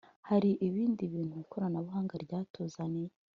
hari ibindi bintu ikoranabuhanga ryatuzaniye